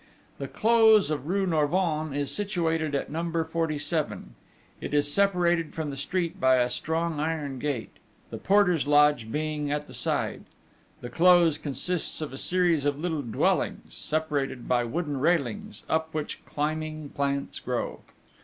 The Close of the rue Norvins is situated at number 47. It is separated from the street by a strong iron gate, the porter's lodge being at the side. The Close consists of a series of little dwellings, separated by wooden railings, up which climbing plants grow.